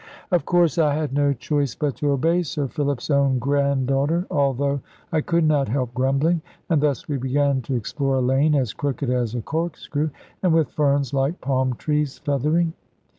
Of course I had no choice but to obey Sir Philip's own granddaughter, although I could not help grumbling; and thus we began to explore a lane as crooked as a corkscrew, and with ferns like palm trees feathering.